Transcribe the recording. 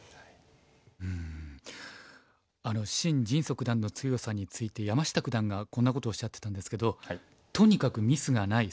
シン・ジンソ九段の強さについて山下九段がこんなことをおっしゃってたんですけど「とにかくミスがない。